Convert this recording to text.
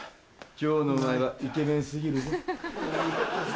今日のお前はイケメン過ぎるぜ。